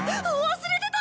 忘れてた！